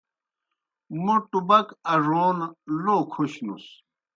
موں ٹُبَک اڙون لو کھوشنُس۔